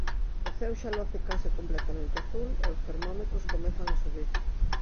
O ceo xa loce case completamente azul e os termómetros comezan a subir.